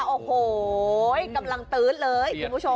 โอ้โหกำลังตื๊ดเลยคุณผู้ชม